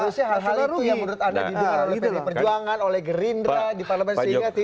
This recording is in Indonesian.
harusnya hal itu yang menurut anda didengar oleh pd perjuangan oleh gerindra di parlemen singkatin